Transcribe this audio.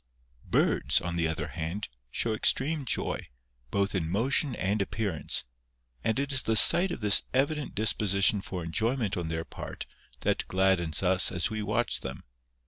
Birds, on the other hand, show extreme joy, both in motion and appearance; and it is the sight of this evident disposition for enjoyment on their part that gladdens us as we watch them.